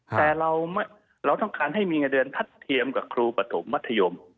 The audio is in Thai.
แต่เราต้องการให้มีเงินเดือนทัดเทียมกับครูปฐมมัธยม